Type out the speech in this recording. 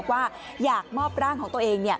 ว่าอยากมอบร่างของตัวเอง